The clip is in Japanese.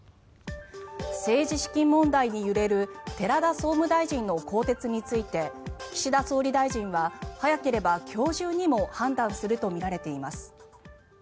政治資金問題に揺れる寺田総務大臣の更迭について岸田総理大臣は早ければ今日中にも判断するとみられています。